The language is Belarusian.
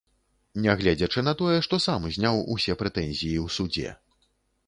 Нягледзячы на тое, што сам зняў усе прэтэнзіі ў судзе.